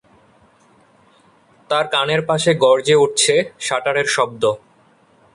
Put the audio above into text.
তাঁর কানের পাশে গর্জে উঠছে শাটারের শব্দ।